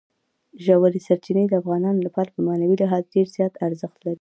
ژورې سرچینې د افغانانو لپاره په معنوي لحاظ ډېر زیات ارزښت لري.